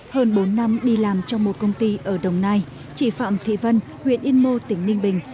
hơn bốn năm đi làm trong một công ty ở đồng nai chị phạm thị vân huyện yên mô tỉnh ninh bình